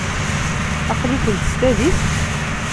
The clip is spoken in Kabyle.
Aql-ikent s tadist?